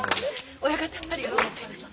親方ありがとうございました。